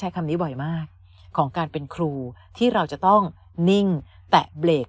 คำนี้บ่อยมากของการเป็นครูที่เราจะต้องนิ่งแตะเบรก